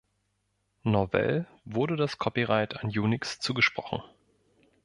Novell wurde das Copyright an Unix zugesprochen.